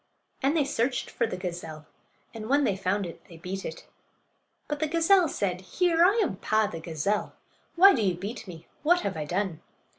And they searched for the gazelle, and when they found it they beat it. But the gazelle said: "Here! I am Paa, the gazelle. Why do you beat me? What have I done?"